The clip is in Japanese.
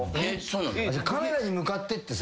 カメラに向かってってさ。